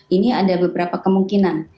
ini ada beberapa kemungkinan